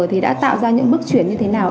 thì đã tạo ra những bước chuyển như thế nào